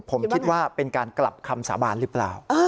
ผมคิดว่าเป็นการกลับคำสาบานหรือเปล่า